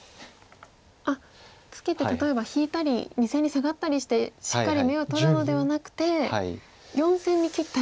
あっツケて例えば引いたり２線にサガったりしてしっかり眼を取るのではなくて４線に切ったり。